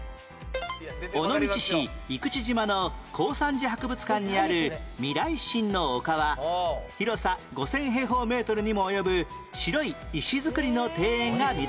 尾道市生口島の耕三寺博物館にある『未来心の丘』は広さ５０００平方メートルにも及ぶ白い石造りの庭園が見どころ